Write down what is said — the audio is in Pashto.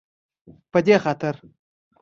په دې خاطر